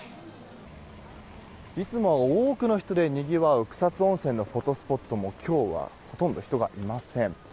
いつもは多くの人でにぎわう草津温泉のフォトスポットも今日はほとんど人がいません。